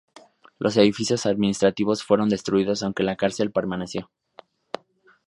Los edificios administrativos fueron destruidos aunque la cárcel permaneció.